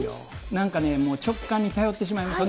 なんかね、直感に頼ってしまいました。